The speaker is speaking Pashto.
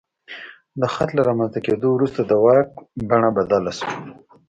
د خط له رامنځته کېدو وروسته د واک بڼه بدله شوه.